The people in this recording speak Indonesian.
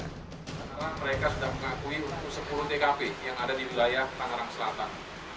riko sudah mengakui sepuluh tkp yang ada di wilayah tangerang selatan